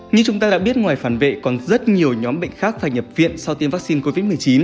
như chúng ta đã biết ngoài phản vệ còn rất nhiều nhóm bệnh khác phải nhập viện sau tiêm vaccine covid một mươi chín